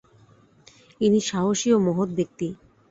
ইনি সাহসী ও মহৎ ব্যক্তি।